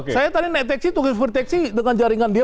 saya tadi naik teksi tugas berteksi dengan jaringan dia